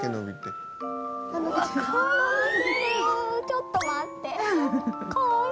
ちょっと待って。